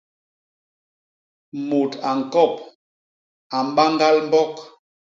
Mut a ñkop, a mbañgal mbok.